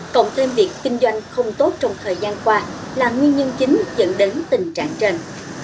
cộng thêm việc kinh doanh không tốt trong thời gian qua là nguyên nhân chính dẫn đến tình trạng trên